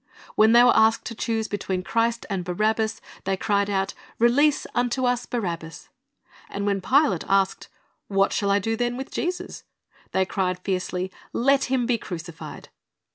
When they were asked to choose between Christ and Barabbas, they cried out, "Release unto us Barabbas!" And when Pilate asked, "What shall I do then with Jesus?" they cried fiercely, "Let Him be crucified."